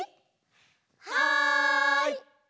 はい！